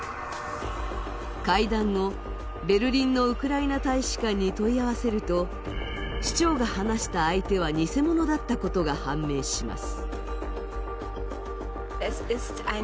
会談後、ベルリンのウクライナ大使館に問い合わせると市長が話した相手は偽物だったことが判明します。